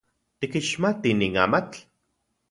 ¿Tikixmati nin amatl?